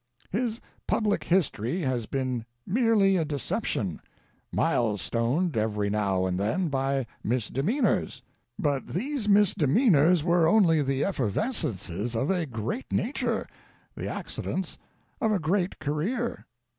His public history has been merely a deception, milestoned every now and then by misdemeanors. But these misdemeanors were only the effervescences of a great nature, the accidents of a great career.